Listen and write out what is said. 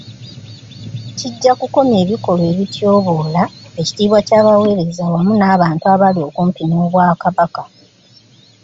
Kijja kukomya ebikolwa ebityoboola ekitiibwa ky'abaweereza wamu n'abantu abali okumpi n'Obwakabaka.